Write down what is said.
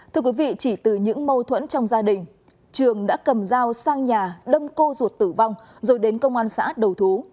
thưa quý vị chỉ từ những mâu thuẫn trong gia đình trường đã cầm dao sang nhà đâm cô ruột tử vong rồi đến công an xã đầu thú